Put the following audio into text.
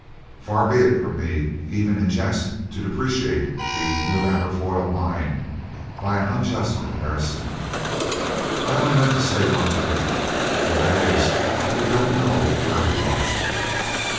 "Far be it from me even in jest to depreciate the New Aberfoyle mine by an unjust comparison! I only meant to say one thing, and that is that we don't know where we are."